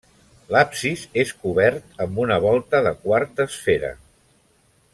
L'absis és cobert amb una volta de quart d'esfera.